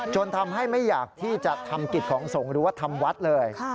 จนทำให้ไม่อยากที่จะทำกิจของสงฆ์หรือว่าทำวัดเลย